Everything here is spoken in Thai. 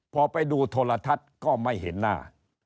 พอไปดูโทรทัศน์ก็ไม่เห็นหน้า